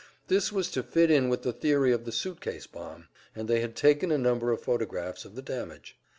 This was to fit in with the theory of the suit case bomb, and they had taken a number of photographs of the damage.